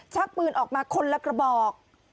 ชักปืนออกมาคนละกระบอก